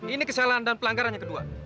ini kesalahan dan pelanggaran yang kedua